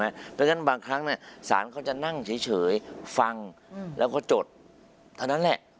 เพราะฉะนั้นบางครั้งสารเขาจะนั่งเฉยฟังแล้วก็จดเท่านั้นแหละ